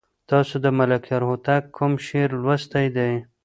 تاسو د ملکیار هوتک کوم شعر لوستی دی؟